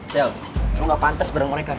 sel lo gak pantas bareng mereka sini